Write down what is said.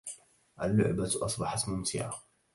اللعبة اصبحت ممتعة